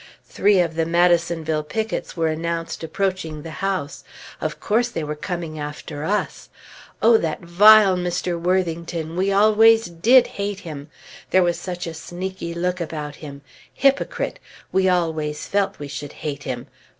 Three of the Madisonville pickets were announced approaching the house. Of course, they were coming after us! Oh, that vile Mr. Worthington! We always did hate him! There was such a sneaky look about him. Hypocrite! we always felt we should hate him!